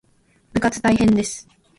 部活大変です